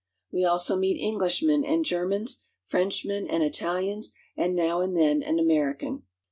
We also meet English men and Germans, Frenchmen and Italians, and now and then an American.